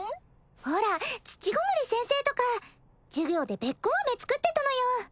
ほら土籠先生とか授業でべっこうあめ作ってたのよ